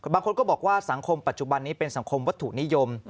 บางคนก็บอกว่าสังคมปัจจุบันนี้เป็นสังคมวัตถุนิยม